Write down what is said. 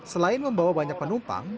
selain membawa banyak penumpang